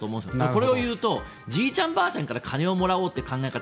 これを言うとじいちゃんばあちゃんから金をもらおうなんて言う考え方